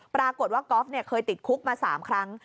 ปรากฏว่าก๊อฟเคยติดคุกมา๓ครั้ง